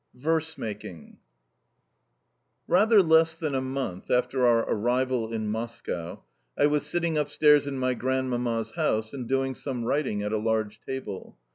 XVI VERSE MAKING RATHER less than a month after our arrival in Moscow I was sitting upstairs in my Grandmamma's house and doing some writing at a large table.